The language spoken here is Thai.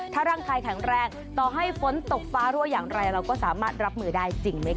ถ้าร่างกายแข็งแรงต่อให้ฝนตกฟ้ารั่วอย่างไรเราก็สามารถรับมือได้จริงไหมค